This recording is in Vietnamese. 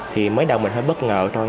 thì mới đầu mình hơi bất ngờ thôi